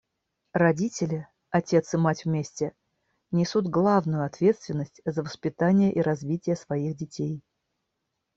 Родители — отец и мать вместе — несут главную ответственность за воспитание и развитие своих детей.